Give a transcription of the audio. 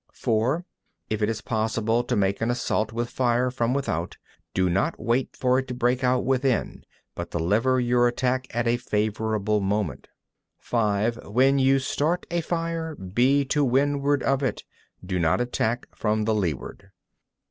9. (4) If it is possible to make an assault with fire from without, do not wait for it to break out within, but deliver your attack at a favourable moment. 10. (5) When you start a fire, be to windward of it. Do not attack from the leeward.